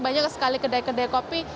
banyak sekali kedai kedai kopi